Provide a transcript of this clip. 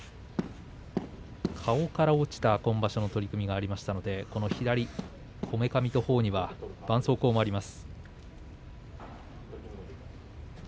顔から落ちた今場所の取組がありましたので左こめかみとほおにはばんそうこうがあります。